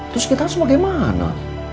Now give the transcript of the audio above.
terus kita harus bagaimana